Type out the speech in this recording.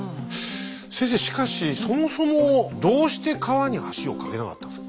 先生しかしそもそもどうして川に橋を架けなかったんですか？